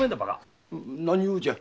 何用じゃ。